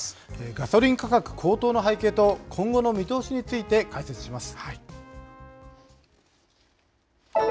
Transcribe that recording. ガソリン価格高騰の背景と、今後の見通しについて解説します。